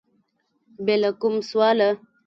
بې له کوم سواله